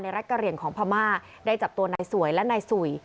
รักกะเหลี่ยงของพม่าได้จับตัวนายสวยและนายสุย